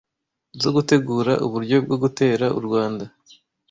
zo gutegura uburyo bwo gutera u Rwanda